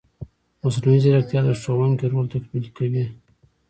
مصنوعي ځیرکتیا د ښوونکي رول تکمیلي کوي.